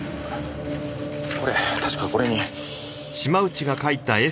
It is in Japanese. これ確かこれに。